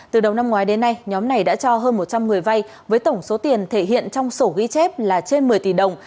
từ đầu năm ngoái đến nay nhóm này đã cho hơn một trăm linh người vay với tổng số tiền thể hiện trong sổ ghi chép là trên một mươi tỷ đồng